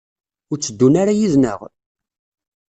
Ur tteddun ara yid-neɣ?